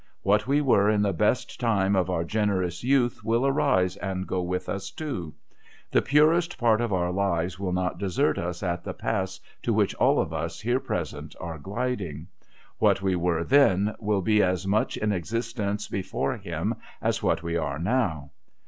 What we were in the best time of our generous youth will arise and go with us too. The purest part of our lives will not desert us at the pass to which all of us here present are gliding. What we were then, will be as much in existence before Him, as what we are now.'